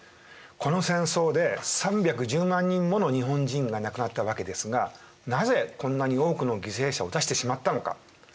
この戦争で３１０万人もの日本人が亡くなったわけですがなぜこんなに多くの犠牲者を出してしまったのか。